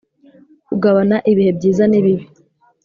kugabana ibihe byiza nibibi,